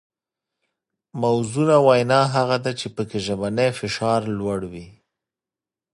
موزونه وینا هغه ده چې پکې ژبنی فشار لوړ وي